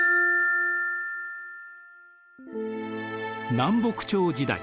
南北朝時代